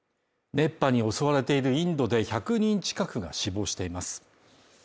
熱波に襲われているインドで１００人近くが死亡しています。